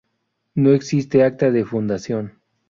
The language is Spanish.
No existe acta de fundación.